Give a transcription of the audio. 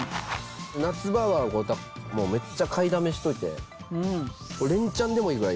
夏場はめっちゃ買いだめしといて連チャンでもいいぐらい。